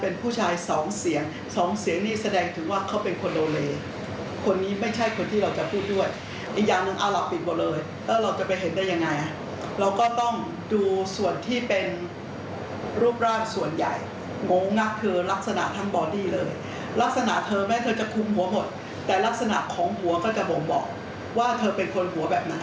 และประสบความสำเร็จ